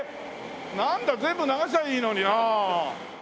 なんだ全部流せばいいのになあ。